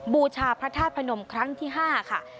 บูชาพระธาตุพนมครั้งที่๕ค่ะ